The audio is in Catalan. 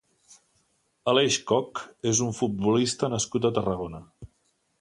Aleix Coch és un futbolista nascut a Tarragona.